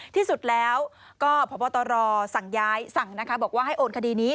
ที่สุดแล้วก็พบตรสั่งย้ายสั่งนะคะบอกว่าให้โอนคดีนี้